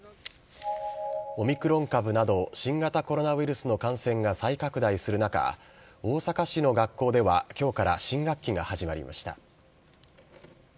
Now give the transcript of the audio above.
オミクロン株など、新型コロナウイルスの感染が再拡大する中、大阪市の学校では、きょうから新学期が始まりました。